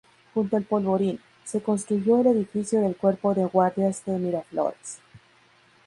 Junto al polvorín, se construyó el edificio del Cuerpo de Guardias de Miraflores.